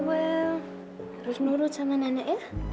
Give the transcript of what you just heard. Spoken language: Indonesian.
well harus nurut sama anak anak ya